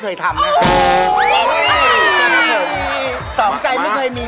แล้วมันชื่นใจ